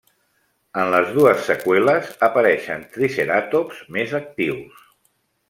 En les dues seqüeles apareixen triceratops més actius.